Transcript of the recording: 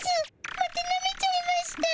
またなめちゃいました。